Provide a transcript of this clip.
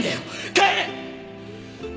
帰れ！